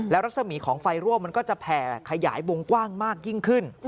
รัศมีของไฟรั่วมันก็จะแผ่ขยายวงกว้างมากยิ่งขึ้น